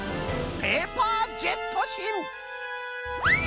ペーパー・ジェット・シン！